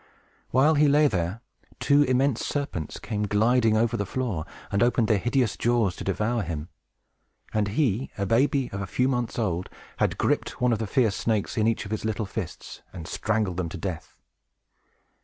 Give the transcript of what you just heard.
While he lay there, two immense serpents came gliding over the floor, and opened their hideous jaws to devour him; and he, a baby of a few months old, had griped one of the fierce snakes in each of his little fists, and strangled them to death.